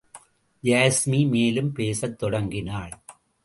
யாஸ்மி மேலும் பேசத் தொடங்கினாள்.